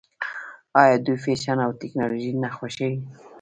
آیا دوی فیشن او ټیکنالوژي نه خوښوي؟